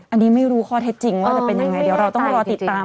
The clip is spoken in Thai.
อันนี้ไม่รู้ข้อเท็จจริงว่าจะเป็นยังไงเดี๋ยวเราต้องรอติดตาม